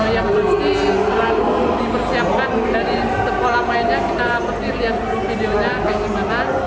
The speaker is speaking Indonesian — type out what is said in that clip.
yang pasti harus dipersiapkan dari sekolah mainnya kita akan lihat video videonya bagaimana